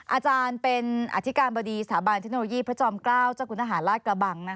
อาจารย์เป็นอธิการบดีสถาบันเทคโนโลยีพระจอมเกล้าเจ้าคุณทหารราชกระบัง